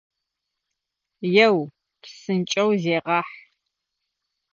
Еу, псынкӏэу зегъахь!